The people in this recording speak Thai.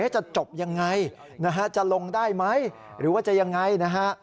จะจบยังไงนะฮะจะลงได้ไหมหรือว่าจะยังไงนะฮะ